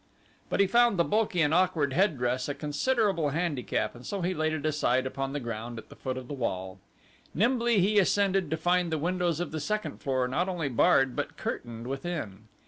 But he found the bulky and awkward headdress a considerable handicap and so he laid it aside upon the ground at the foot of the wall. Nimbly he ascended to find the windows of the second floor not only barred but curtained within.